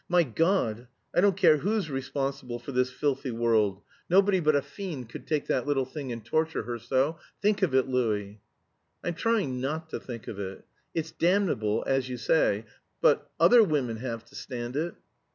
"My God! I don't care who's responsible for this filthy world. Nobody but a fiend could take that little thing and torture her so. Think of it, Louis!" "I'm trying not to think of it. It's damnable as you say, but other women have to stand it."